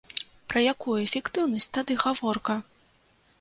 Пра якую эфектыўнасці тады гаворка!